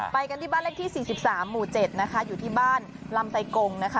ไปกันที่บ้านเลขที่๔๓หมู่๗นะคะอยู่ที่บ้านลำไกงนะคะ